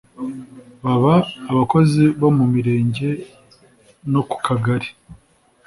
baba abakozi bo ku mirenge no ku kagari